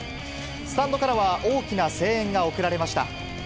スタンドからは大きな声援が送られました。